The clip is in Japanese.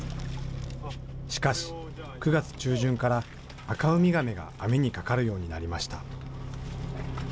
しかし、９月中旬からアカウミガメが網にかかるようになりました。